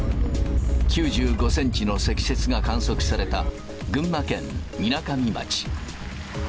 ９５センチの積雪が観測された群馬県みなかみ町。